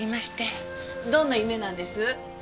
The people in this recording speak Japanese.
どんな夢なんです？